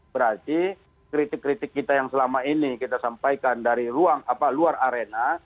berarti kritik kritik kita yang selama ini kita sampaikan dari luar arena